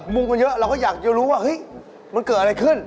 มุมมันเยอะเราก็อยากจะรู้ว่าเฮ้ยมันเกิดอะไรขึ้น